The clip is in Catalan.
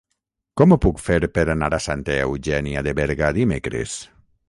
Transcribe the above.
Com ho puc fer per anar a Santa Eugènia de Berga dimecres?